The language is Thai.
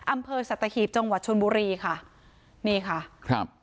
อำเภอสัตหีบจังหวัดชนบุรีค่ะนี่ค่ะครับ